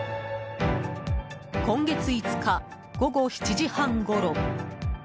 今月５日、午後７時半ごろ。